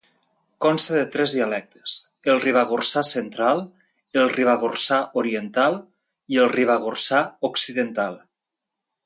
Consta de tres dialectes: el ribagorçà central, el ribagorçà oriental i el ribagorçà occidental.